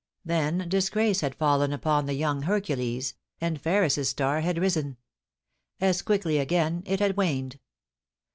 Then disgrace had fallen upon the young Hercules, and Ferris's star had risen. As quickly again it had waned.